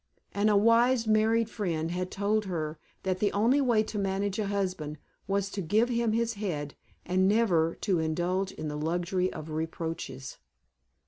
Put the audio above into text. And a wise married friend had told her that the only way to manage a husband was to give him his head and never to indulge in the luxury of reproaches.